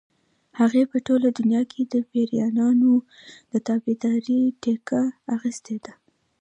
هغې په ټوله دنیا کې د پیریانو د تابعدارۍ ټیکه اخیستې ده.